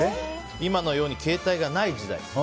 今のように携帯がない時代。